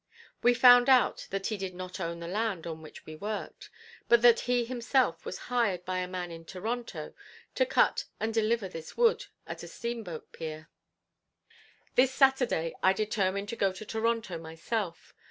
We found out that he did not own the land on which we worked, but that he himself was hired by a man in Toronto to cut and deliver this wood at the steamboat pier. This Saturday I determined to go to Toronto myself.